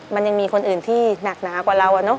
มันยังมีคนอื่นที่หนักหนากว่าเราอะเนาะ